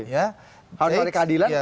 harus ada keadilan